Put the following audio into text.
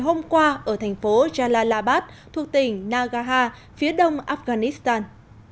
hôm qua ở thành phố jalalabad thuộc tỉnh nagaha phía đông afghanistan